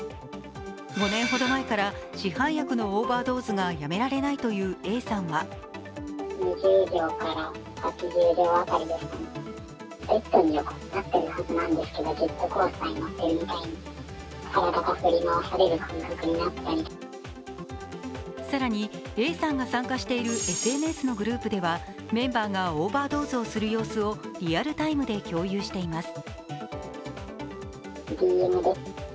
５年ほど前から市販薬のオーバードーズがやめられないというＡさんは更にＡさんが参加しているＳＮＳのグループではメンバーがオーバードーズをする様子をリアルタイムで共有しています。